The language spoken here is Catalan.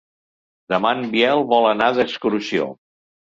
Demà en Biel vol anar d'excursió.